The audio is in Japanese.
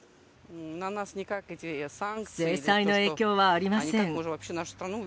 制裁の影響はありません。